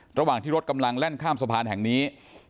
ระหว่างที่รถกำลังแล่นข้ามสะพานแห่งนี้